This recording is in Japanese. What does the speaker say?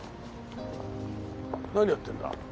何やってるんだ？